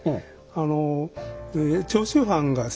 あの長州藩がですね